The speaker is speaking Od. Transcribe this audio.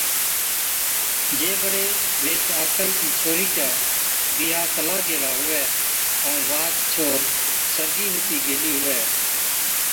جي بڙي ويھِچ آڪھِي چِي ڇوھرِي چا (چاڙي) بِيھا ڪلا گيلا ھُوَي ائُون واھچ ڇوھر سرگِي ھُتِي گيلِي ھُوَي